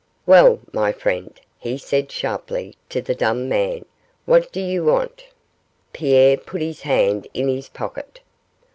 'Well, my friend,' he said, sharply, to the dumb man, 'what do you want?' Pierre put his hand in his pocket.